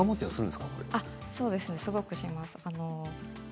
すごくします。